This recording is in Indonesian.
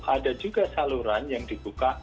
ada juga saluran yang dibuka